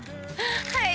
はい。